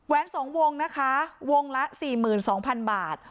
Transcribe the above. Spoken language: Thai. ๒วงนะคะวงละ๔๒๐๐๐บาท